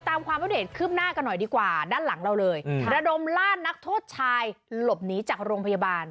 ตามความอัปเดตคืบหน้ากันหน่อยดีกว่าด้านหลังเราเลยระดมล่านักโทษชายหลบหนีจากโรงพยาบาล